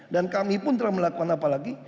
dan kami pun telah melakukan apa lagi